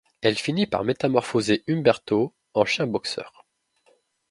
Elle finit par métamorphoser Umberto en chien boxer.